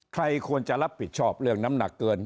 ใครควรจะรับผิดชอบเรื่องน้ำหนักเกิน